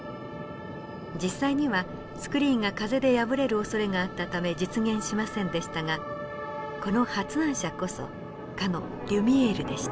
実際にはスクリーンが風で破れるおそれがあったため実現しませんでしたがこの発案者こそかのリュミエールでした。